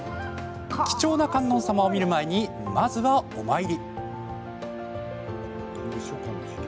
貴重な観音様を見る前にまずは、お参り。